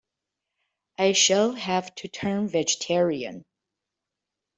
I shall have to turn vegetarian.